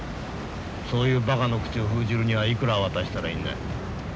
そういうばかの口を封じるにはいくら渡したらいいんだ。